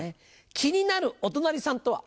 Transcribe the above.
気になるお隣さんとは？